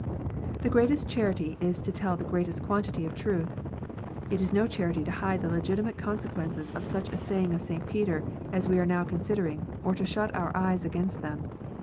The greatest charity is to tell the greatest quantity of truth. It is no charity to hide the legitimate consequences of such a saying of St. Peter as we are now considering, or to shut our eyes against them.